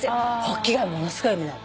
ホッキ貝ものすごい。